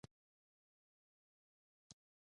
مصنوعي ځیرکتیا د ناروغ پاملرنه اسانه کوي.